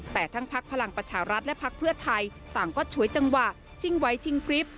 แต่ทั้งพักพลังประชารัฐและพักเพื่อไทยต่างก็ฉวยจังหวะชิงไว้ชิงพริบ